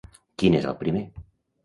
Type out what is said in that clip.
Quin és el primer?